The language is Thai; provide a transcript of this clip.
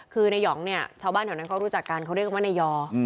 คือนายหองเนี่ยชาวบ้านแถวนั้นเขารู้จักกันเขาเรียกว่านายอ